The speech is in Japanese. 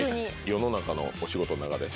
世の中のお仕事の中で？